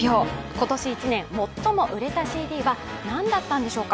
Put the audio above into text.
今年１年、最も売れたＣＤは何だったんでしょうか。